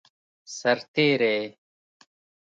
سرتیری